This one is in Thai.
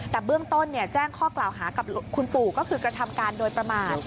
แต่เบื้องต้นแจ้งข้อกล่าวหากับคุณปู่ก็คือกระทำการโดยประมาท